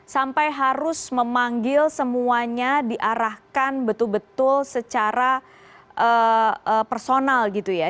sampai harus memanggil semuanya diarahkan betul betul secara personal gitu ya